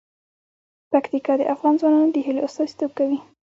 پکتیکا د افغان ځوانانو د هیلو استازیتوب کوي.